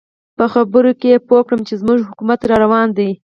په خبرو کې یې پوه کړم چې زموږ حکومت را روان دی.